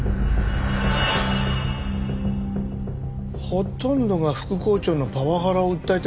ほとんどが副校長のパワハラを訴えてますね。